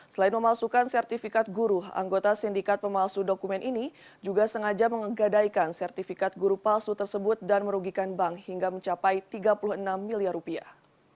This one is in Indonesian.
selain memalsukan sertifikat guru anggota sindikat pemalsu dokumen ini juga sengaja menggadaikan sertifikat guru palsu tersebut dan merugikan bank hingga mencapai tiga puluh enam miliar rupiah